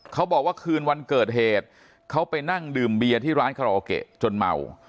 เขาบอกว่าคืนวันเกิดเหตุเขาไปนั่งดื่มเบียร์ที่ร้านคาราโอเกะจนเมา